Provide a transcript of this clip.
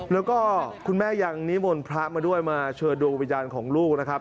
แล้วก็คุณแม่ยังนิมนต์พระมาด้วยมาเชิญดวงวิญญาณของลูกนะครับ